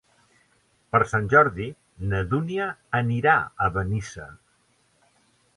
Per Sant Jordi na Dúnia anirà a Benissa.